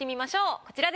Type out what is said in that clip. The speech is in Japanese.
こちらです。